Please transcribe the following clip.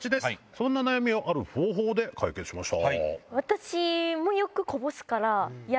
そんな悩みをある方法で解決しました。